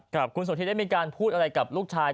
ครับคุณสนทิได้มีการพูดอะไรกับลูกชาย